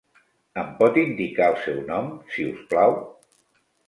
Em pot indicar el seu nom, si us plau?